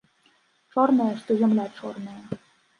Чорныя, што зямля чорная.